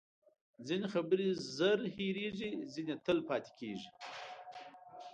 ځینې خبرې زر هیرېږي، ځینې تل پاتې کېږي.